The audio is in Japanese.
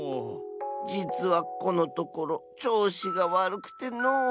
じつはこのところちょうしがわるくてのう。